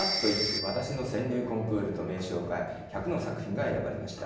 わたしの川柳コンクールと名称を変え、１００の作品が選ばれました。